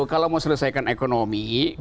kalau mau selesaikan ekonomi